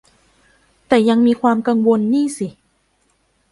แต่ยังมีความกังวลนี่สิ